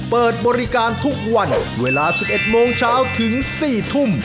เปิดบริการทุกวันเวลา๑๑โมงเช้าถึง๔ทุ่ม